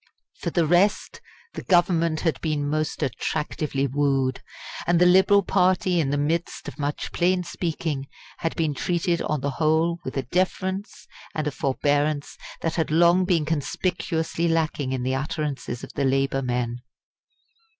For the rest, the Government had been most attractively wooed; and the Liberal party in the midst of much plain speaking had been treated on the whole with a deference and a forbearance that had long been conspicuously lacking in the utterances of the Labour men.